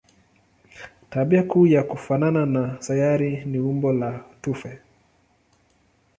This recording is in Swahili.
Tabia kuu ya kufanana na sayari ni umbo la tufe.